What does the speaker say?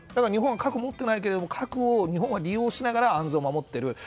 日本は核を持っていないけど核を日本は利用しながら安全を守ってる。